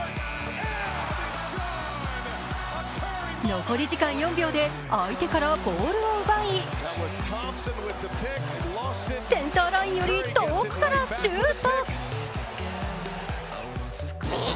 残り時間４秒で相手からボールを奪いセンターラインより遠くからシュート。